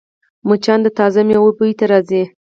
مچان د تازه میوو بوی ته راځي